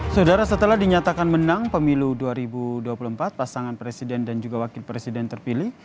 saudara setelah dinyatakan menang pemilu dua ribu dua puluh empat pasangan presiden dan juga wakil presiden terpilih